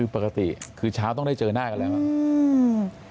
ปกติคือเช้าต้องได้เจอหน้ากันเลย